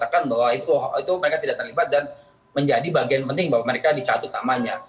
jadi saya ingin mengatakan bahwa itu mereka tidak terlibat dan menjadi bagian penting bahwa mereka dicatat utamanya